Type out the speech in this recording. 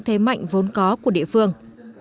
thêm mạnh vốn có của địa phương